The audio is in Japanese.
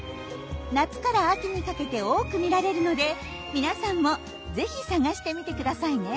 夏から秋にかけて多く見られるので皆さんもぜひ探してみてくださいね。